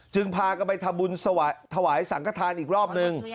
จึงพากันไปทะบุญสวัสดิ์ถวายสังกฐานอีกรอบหนึ่ง